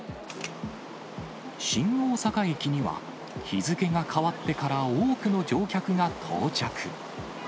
新大阪駅には、日付が変わってから多くの乗客が到着。